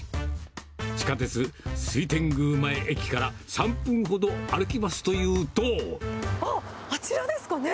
地下鉄水天宮前駅から３分ほど歩あっ、あちらですかね。